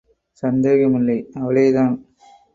சந்தேகமில்லை... அவளே தான்.